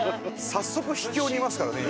早速秘境にいますからね